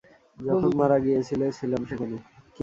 যখন মারা গিয়েছিলে ছিলাম সেখানে!